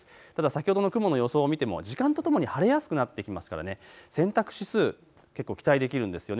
先ほどの雲の予想を見ても時間とともに晴れやすくなってきますから洗濯指数、結構期待できるんですよ。